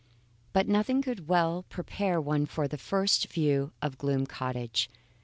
But nothing could well prepare one for a first view of Gloom Cottage.